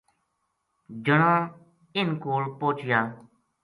جنا اِنھ کول پوہچیا